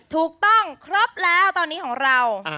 ถูกต้องครบแล้วตอนนี้ของเรา